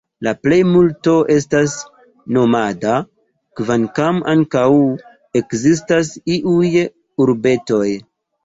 La plejmulto estas nomada, kvankam ankaŭ ekzistas iuj urbetoj.